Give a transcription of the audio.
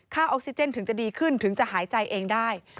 ออกซิเจนถึงจะดีขึ้นถึงจะหายใจเองได้